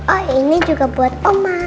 oh ini juga buat oman